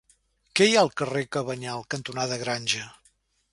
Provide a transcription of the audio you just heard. Què hi ha al carrer Cabanyal cantonada Granja?